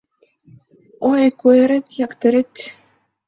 Ой, куэрет-яктерет